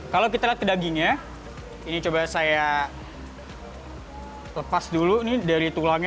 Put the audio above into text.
kalau kita lihat ke dagingnya ini coba saya lepas dulu nih dari tulangnya